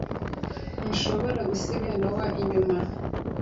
Ntushobora gusiga Nowa inyuma.